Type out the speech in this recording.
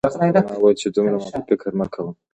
ما وویل چې دومره منفي فکر مه کوه